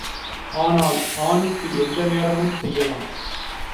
ஆனால் ஆணுக்கு எந்த நேரமும் செய்யலாம்.